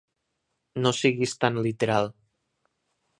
No siguis tan literal.